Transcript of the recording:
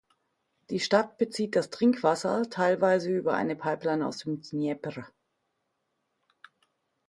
Die Stadt bezieht das Trinkwasser teilweise über eine Pipeline aus dem Dnepr.